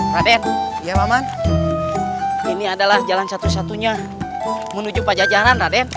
raden ini adalah jalan satu satunya menuju pajajaran raden